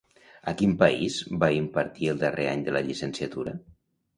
A quin país va impartir el darrer any de la llicenciatura?